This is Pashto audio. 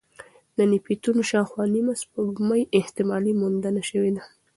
د نیپتون شاوخوا نیمه سپوږمۍ احتمالي موندنه شوې ده.